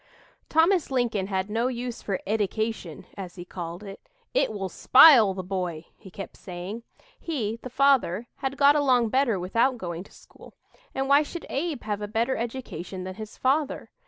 Thomas Lincoln had no use for "eddication," as he called it. "It will spile the boy," he kept saying. He the father had got along better without going to school, and why should Abe have a better education than his father?